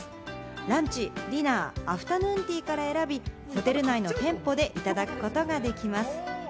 ランチ、ディナー、アフタヌーンティーから選び、ホテル内の店舗でいただくことができます。